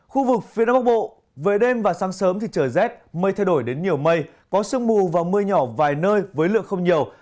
khu vực phía đông bắc bộ về đêm và sáng sớm thì trời rét mây thay đổi đến nhiều mây có sương mù và mưa nhỏ vài nơi với lượng không nhiều